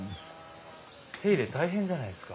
手入れ大変じゃないですか？